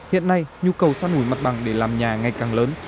hiện nay nhu cầu săn ủi mặt bằng để làm nhà ngày càng lớn